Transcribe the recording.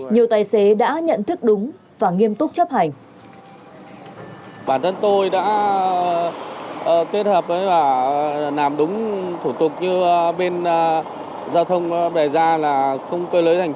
nhiều tài xế đã nhận thức đúng và nghiêm túc chấp hành